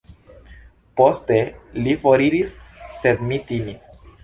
Poste mi foriris, sed mi timis.